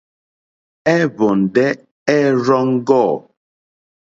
Ɛ́hwɔ̀ndɛ́ ɛ́ rzɔ́ŋɡɔ̂.